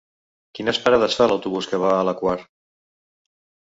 Quines parades fa l'autobús que va a la Quar?